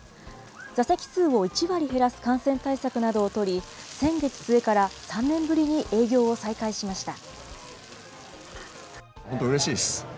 座席数を１割減らす感染対策などを取り、先月末から３年ぶりに営業を再開しました。